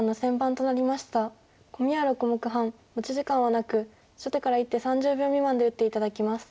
コミは６目半持ち時間はなく初手から１手３０秒未満で打って頂きます。